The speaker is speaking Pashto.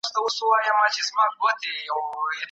A ګروپ تازه او صافه غذا وخوري.